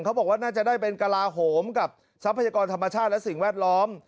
เขาบอกว่าน่าจะได้เป็นกระลาโหมกับทรัพยากรธรรมชาติและสิ่งแวดล้อม